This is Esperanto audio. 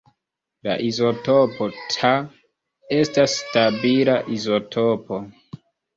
La izotopo Ta estas stabila izotopo.